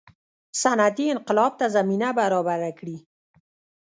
صنعتي انقلاب ته زمینه برابره کړي.